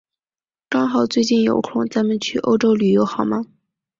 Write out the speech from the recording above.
刚好最近有空，咱们去欧洲旅游好吗？